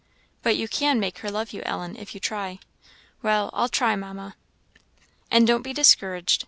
"But you can make her love you, Ellen, if you try." "Well, I'll try, Mamma." "And don't be discouraged.